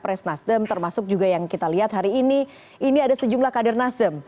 pres nasdem termasuk juga yang kita lihat hari ini ini ada sejumlah kader nasdem